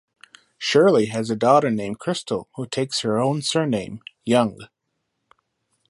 Shirley has a daughter named Krystal who takes her own surname, Yeung.